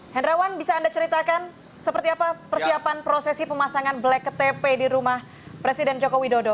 hendrawan bisa anda ceritakan seperti apa persiapan prosesi pemasangan black ktp di rumah presiden joko widodo